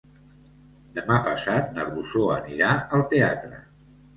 Demà passat na Rosó anirà al teatre.